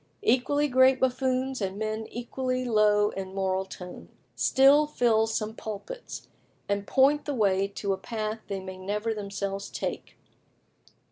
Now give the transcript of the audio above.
Equally great buffoons, and men equally low in moral tone, still fill some pulpits, and point the way to a path they may never themselves take.